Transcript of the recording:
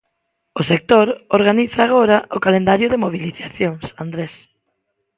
O sector organiza agora o calendario de mobilizacións, Andrés...